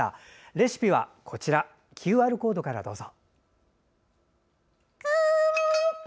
レシピはＱＲコードからどうぞ。